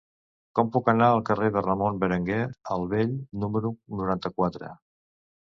Com puc anar al carrer de Ramon Berenguer el Vell número noranta-quatre?